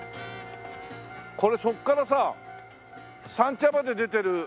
これそこからさ三茶まで出てる